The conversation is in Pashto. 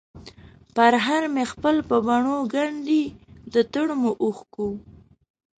پرهر مې خپل په بڼووګنډی ، دتړمو اوښکو،